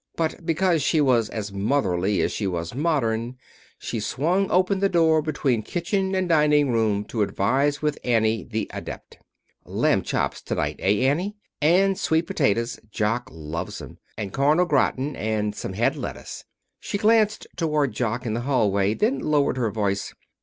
But because she was as motherly as she was modern she swung open the door between kitchen and dining room to advise with Annie, the adept. "Lamb chops to night, eh, Annie? And sweet potatoes. Jock loves 'em. And corn au gratin and some head lettuce." She glanced toward Jock in the hallway, then lowered her voice.